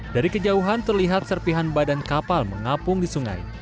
dari kejauhan terlihat serpihan badan kapal mengapung di sungai